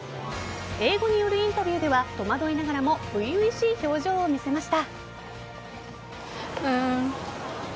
英語によるインタビューでは戸惑いながらも初々しい表情を見せました。